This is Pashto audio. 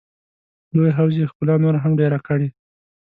لوی حوض یې ښکلا نوره هم ډېره کړې.